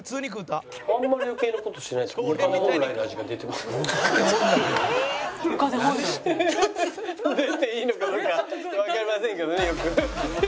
出ていいのかどうかわかりませんけどねよく。